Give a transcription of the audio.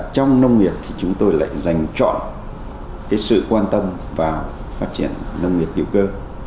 trong nông nghiệp thì chúng tôi lại dành trọn sự quan tâm vào phát triển nông nghiệp hiệu cơ